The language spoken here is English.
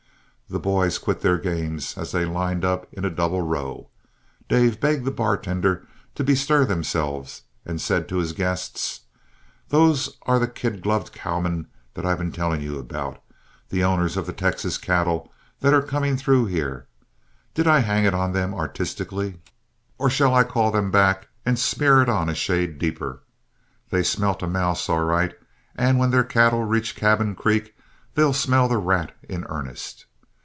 The boys quit their games, and as they lined up in a double row, Dave begged the bartenders to bestir themselves, and said to his guests: "Those are the kid gloved cowmen that I've been telling you about the owners of the Texas cattle that are coming through here. Did I hang it on them artistically, or shall I call them back and smear it on a shade deeper? They smelt a mouse all right, and when their cattle reach Cabin Creek, they'll smell the rat in earnest.